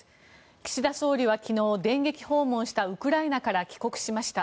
岸田総理は昨日、電撃訪問したウクライナから帰国しました。